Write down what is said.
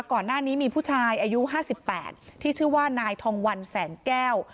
ก่อนหน้านี้มีผู้ชายอายุ๕๘ที่ชื่อว่านายทองวันแสนแก้ว